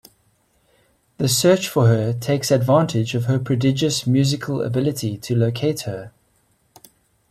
The search for her takes advantage of her prodigious musical ability to locate her.